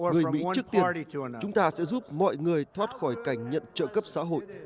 người mỹ trước tiên chúng ta sẽ giúp mọi người thoát khỏi cảnh nhận trợ cấp xã hội